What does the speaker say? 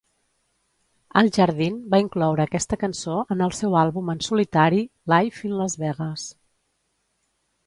Al Jardine va incloure aquesta cançó en el seu àlbum en solitari Live in Las Vegas.